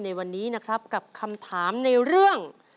ในวันนี้นะครับกับคำถามในเรื่อง